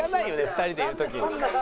２人でいる時。